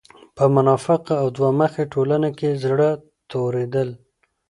په منافقه او دوه مخې ټولنه کې زړۀ توريدل